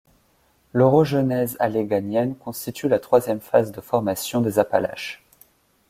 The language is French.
L’orogenèse alléghanienne constitue la troisième phase de formation des Appalaches.